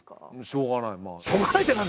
しょうがないまあ。